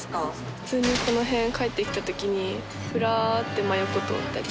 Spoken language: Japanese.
普通にこの辺帰ってきた時にふらって真横通ったりする。